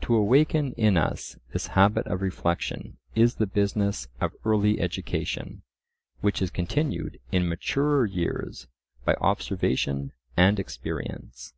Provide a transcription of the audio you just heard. To awaken in us this habit of reflection is the business of early education, which is continued in maturer years by observation and experience.